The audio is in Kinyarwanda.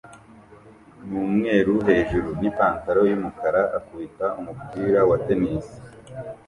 numweru hejuru nipantaro yumukara akubita umupira wa tennis